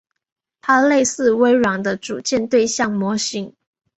它类似微软的组件对象模型。